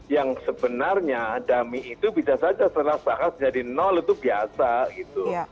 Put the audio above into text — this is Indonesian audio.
yang sebenarnya dami itu bisa saja setelah sebahas jadi nol itu biasa gitu